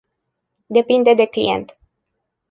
Depinde de client.